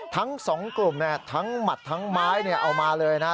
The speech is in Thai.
ทั้ง๒กลุ่มเนี่ยทั้งหมัดทั้งไม้เนี่ยเอามาเลยนะฮะ